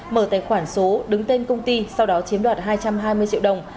mở tài khoản số đứng tên công ty sau đó chiếm đoạt hai trăm hai mươi triệu đồng